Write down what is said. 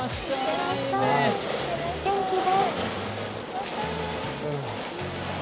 元気で。